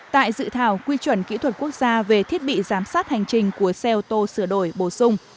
tại dự thảo quy chuẩn kỹ thuật quốc gia về thiết bị giám sát hành trình của xe ô tô sửa đổi bổ sung